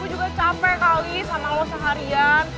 aku juga capek kali sama lo seharian